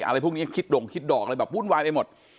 อะไรพวกนี้คิดด่งคิดดอกอะไรแบบวุ่นวายไปหมด